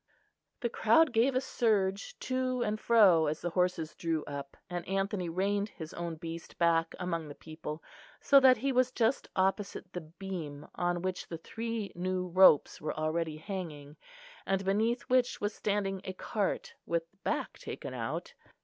The crowd gave a surge to and fro as the horses drew up, and Anthony reined his own beast back among the people, so that he was just opposite the beam on which the three new ropes were already hanging, and beneath which was standing a cart with the back taken out.